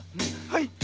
はい！